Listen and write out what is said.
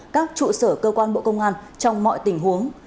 các trụ sở cơ quan bộ công an trong mọi tình huống